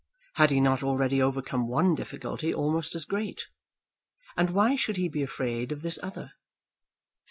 Had he not already overcome one difficulty almost as great; and why should he be afraid of this other?